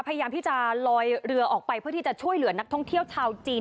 พยายามที่จะลอยเรือออกไปเพื่อที่จะช่วยเหลือนักท่องเที่ยวชาวจีน